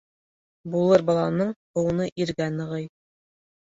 Булыр баланың быуыны иргә нығый.